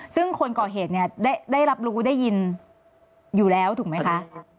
ซึ่งคนก่อเหตุเนี่ยได้รับรู้ได้ยินอยู่แล้วถูกไหมคะ